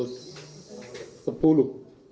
itu satu satu nya yang saya keluarkan